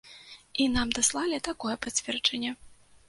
І нам даслалі такое пацверджанне.